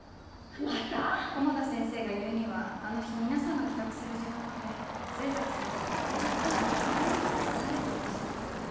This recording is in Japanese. また⁉古茂田先生が言うにはあの日皆さんが帰宅する時間まで末崎先生は２０分ほど職員室を離れていらっしゃったとか。